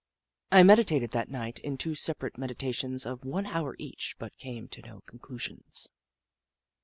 I meditated that night in two separate meditations of one hour each, but came to no conclusions.